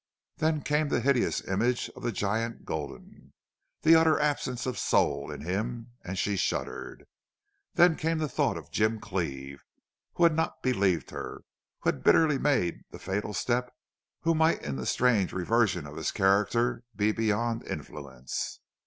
Then came the hideous image of the giant Gulden, the utter absence of soul in him, and she shuddered. Then came the thought of Jim Cleve, who had not believed her, who had bitterly made the fatal step, who might in the strange reversion of his character be beyond influence.